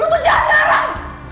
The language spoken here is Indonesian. lo tuh jahat orang